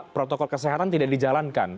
protokol kesehatan tidak dijalankan